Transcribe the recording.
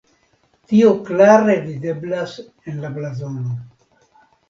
Tio klare videblas en la blazono.